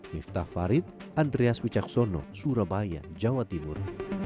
miftah farid andreas wicaksono surabaya jawa timur